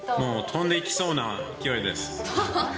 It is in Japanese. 飛んでいきそうな勢いです。